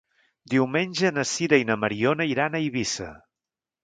Diumenge na Sira i na Mariona iran a Eivissa.